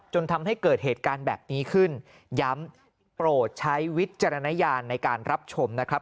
จนทำให้เกิดเหตุการณ์แบบนี้ขึ้นย้ำโปรดใช้วิจารณญาณในการรับชมนะครับ